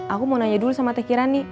aku mau nanya dulu sama teh kirani